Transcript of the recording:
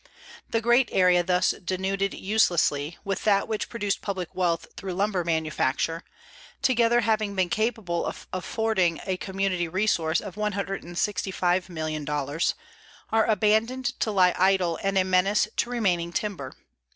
The great area thus denuded uselessly, with that which produced public wealth through lumber manufacture, together having been capable of affording a community resource of $165,000,000, are abandoned to lie idle and a menace to remaining timber.